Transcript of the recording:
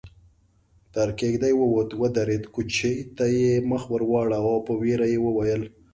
تر کېږدۍ ووت، ودرېد، کوچي ته يې مخ ور واړاوه، په وېره يې وويل: